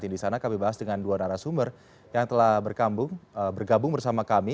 di sana kami bahas dengan dua narasumber yang telah bergabung bersama kami